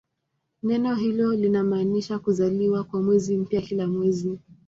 Neno hilo linamaanisha "kuzaliwa" kwa mwezi mpya kila mwezi.